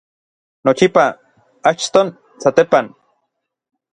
nochipa, achton, satepan